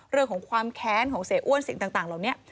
เรื่องของความแค้นของเสียอ้วนสิ่งต่างเหล่านี้